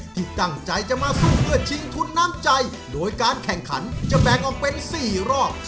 ที่ตั้งใจจะมาสู้เพื่อชิงทุนน้ำใจโดยการแข่งขันจะแบ่งออกเป็น๔รอบ